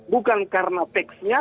bukan karena teksnya